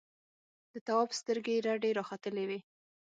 د تواب سترګې رډې راختلې وې.